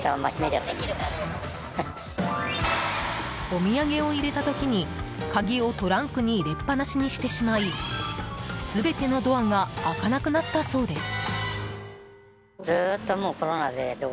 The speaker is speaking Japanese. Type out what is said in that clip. お土産を入れた時に鍵をトランクに入れっぱなしにしてしまい全てのドアが開かなくなったそうです。